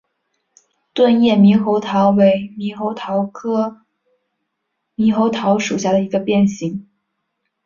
钝叶猕猴桃为猕猴桃科猕猴桃属下的一个变型。